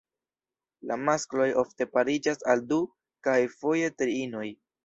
La maskloj ofte pariĝas al du kaj foje tri inoj.